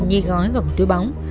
nhi gói vào một túi bóng